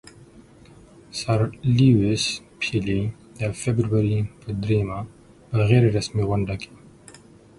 سر لیویس پیلي د فبرورۍ پر دریمه په غیر رسمي غونډه کې.